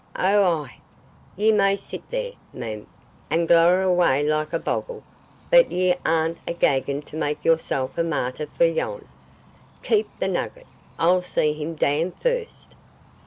Oh, aye, ye may sit there, mem, and glower awa' like a boggle, but ye aren'a gangin' to make yoursel' a martyr for yon. Keep the nugget? I'll see him damned first.